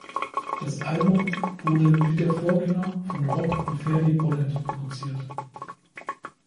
Das Album wurde wie der Vorgänger von Rob und Ferdi Bolland produziert.